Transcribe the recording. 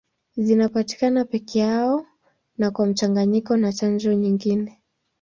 Zinapatikana peke yao na kwa mchanganyiko na chanjo nyingine.